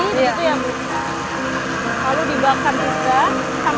jadi sebenarnya ini panas kalau dibakar ya iya bu